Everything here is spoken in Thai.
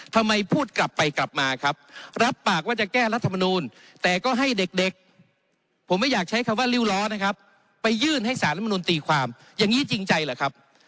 ทำไมพูดกลับไปกลับมาครับรับปากว่าจะแก้รัฐมนูลแต่ก็ให้เด็กผมไม่อยากใช้คำว่าริ้วล้อนะครับไปยื่นให้สารรัฐมนุนตีความอย่างนี้จริงใจเหรอครับ